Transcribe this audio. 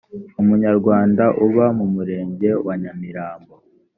umunyarwanda uba mu murenge wa nyamirambo